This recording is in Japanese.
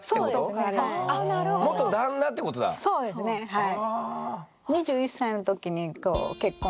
そうですねはい。